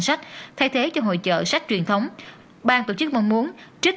kể cả kênh doanh nghiệp và trường học